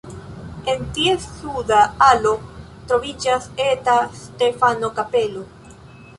En ties suda alo troviĝas eta Stefano-kapelo.